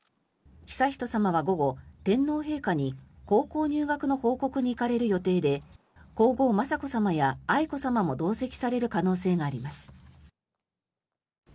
悠仁さまは午後、天皇陛下に高校入学の報告に行かれる予定で皇后・雅子さまや愛子さまも同席される可能性があります。